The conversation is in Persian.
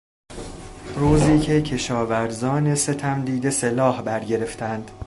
روزی که کشاورزان ستم دیده سلاح برگرفتند